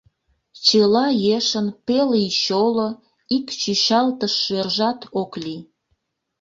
Чыла ешын пел ий чоло ик чӱчалтыш шӧржат ок лий.